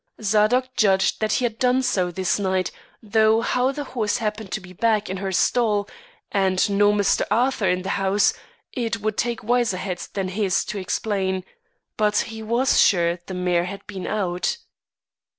Zadok judged that he had done so this night, though how the horse happened to be back and in her stall and no Mr. Arthur in the house, it would take wiser heads than his to explain. But he was sure the mare had been out.